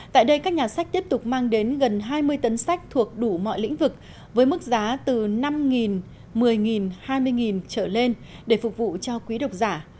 tại đây các nhà sách tiếp tục mang đến gần hai mươi tấn sách thuộc đủ mọi lĩnh vực với mức giá từ năm một mươi hai mươi trở lên để phục vụ cho quý độc giả